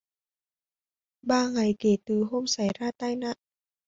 Ba ngày kể từ hôm xảy ra tai nạn